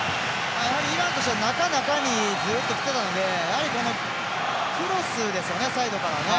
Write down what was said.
やはりイランとしては中、中にずっときていたのでクロスですよね、サイドから。